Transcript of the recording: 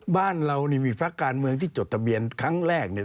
บ้านเรานี่มีพักการเมืองที่จดทะเบียนครั้งแรกเนี่ย